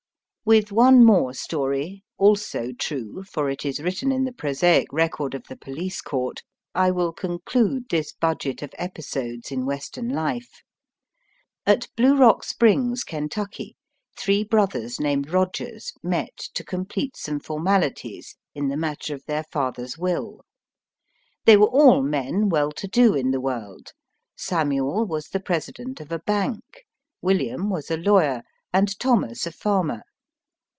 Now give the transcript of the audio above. With one more story, also true, for it is written in the prosaic record of the police court, I will conclude this budget of episodes in Western life. At Blue Kock Springs, Ken tucky, three brothers named Kogers met to complete some formalities in the matter of their father's will. They were all men well to do in the world. Samuel was the president of a bank, William was a lawyer, and Thomas a farmer.